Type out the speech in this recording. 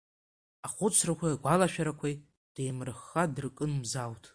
Ахәыцрақәеи агәалашәарақәеи деимырхха дыркын мзауҭ.